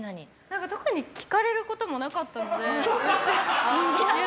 特に聞かれることもなかったので。